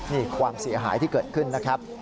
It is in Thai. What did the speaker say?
นี่ความเสียหายที่เกิดขึ้นนะครับ